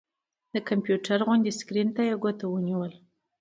د کمپيوټر غوندې سکرين ته يې ګوته ونيوله